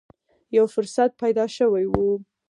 یو فرصت پیدا شوې و